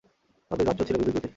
তাদের যাত্রা ছিল বিদ্যুৎগতির।